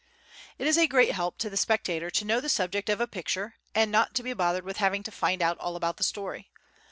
It is a great help to the spectator to know the subject of a picture and not to be bothered with having to find out all about the story.